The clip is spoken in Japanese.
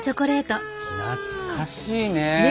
懐かしいね。ね！